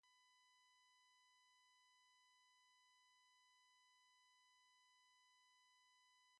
Popular tales spread by diffusion from tribe to tribe and nation to nation.